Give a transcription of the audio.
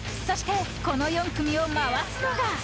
そして、この４組を回すのが。